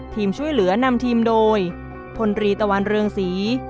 ทีมช่วยเหลือนำทีมโดยพลตรีตะวันเรืองศรี